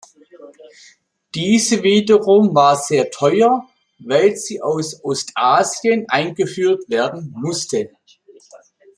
Diese wiederum war sehr teuer, weil sie aus Ostasien eingeführt werden musste.